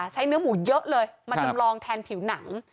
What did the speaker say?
ใช้เนื้อหมูเยอะเลยมาจำลองแทนผิวหนัง